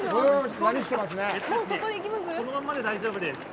このままで大丈夫です。